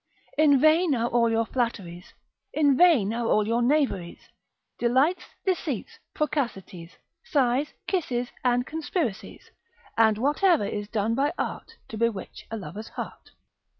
In vain are all your flatteries, In vain are all your knaveries, Delights, deceits, procacities, Sighs, kisses, and conspiracies, And whate'er is done by art, To bewitch a lover's heart.